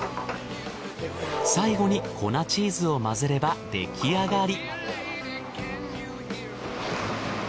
最後に粉チーズを混ぜれば出来上がり。